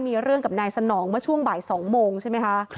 มีเรื่องกับนายสนองเมื่อช่วงบ่าย๒โมงใช่ไหมคะ